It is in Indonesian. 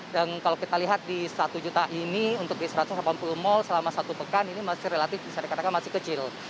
dan kalau kita lihat di satu juta ini untuk satu ratus delapan puluh mall selama satu pekan ini masih relatif bisa dikatakan masih kecil